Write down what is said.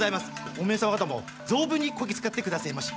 おめえ様方も存分にこき使ってくだせぇまし！